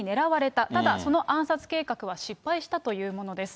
ただその暗殺計画は失敗したというものです。